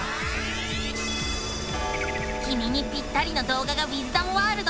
きみにぴったりの動画がウィズダムワールドにあらわれた！